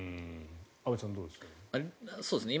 安部さんどうですか？